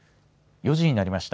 ４時になりました。